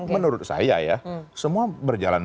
menurut saya ya semua berjalan